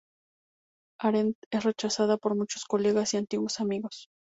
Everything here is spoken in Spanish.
Arendt es rechazada por muchos colegas y antiguos amigos.